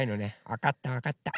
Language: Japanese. わかったわかった。